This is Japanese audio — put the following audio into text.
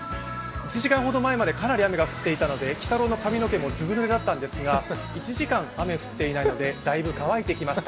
１時間ほど前までかなり雨が降っていたので鬼太郎の髪の毛もずぶぬれだったんですが、１時間、雨が降っていないので、だいぶ乾いてきました。